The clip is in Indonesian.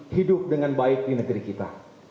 hidup dengan baik di negeri kita